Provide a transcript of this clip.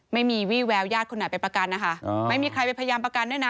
ไม่มีวี่แววญาติคนไหนไปประกันนะคะไม่มีใครไปพยายามประกันด้วยนะ